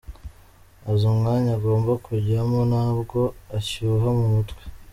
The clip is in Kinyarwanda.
Azi umwanya agomba kujyamo, ntabwo ashyuha mu mutwe.